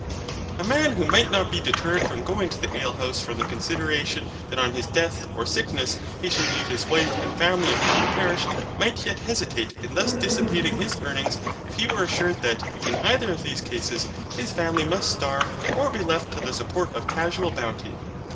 A man who might not be deterred from going to the ale house from the consideration that on his death, or sickness, he should leave his wife and family upon the parish might yet hesitate in thus dissipating his earnings if he were assured that, in either of these cases, his family must starve or be left to the support of casual bounty.